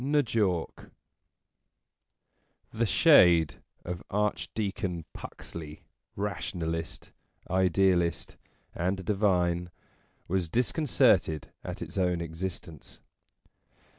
N' JAWK THE shade of Archdeacon Puxley, rationalist, idealist, and divine, was disconcerted at its own existence.